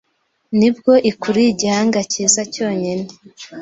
Ni bwo ikuruye igihanga kiza cyonyine